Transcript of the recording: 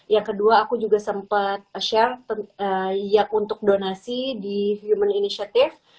yang kedua aku juga sempat share yang untuk donasi di human initiative